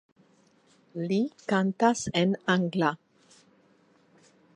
Li kantas en angla.